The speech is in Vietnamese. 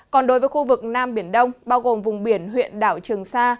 còn đối với khu vực nam biển đông bao gồm vùng biển huyện đảo trường sa